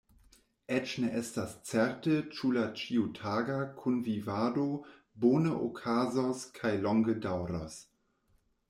Eĉ ne estas certe ĉu la ĉiutaga kunvivado bone okazos kaj longe daŭros.